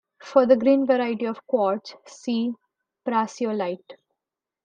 For the green variety of quartz see prasiolite.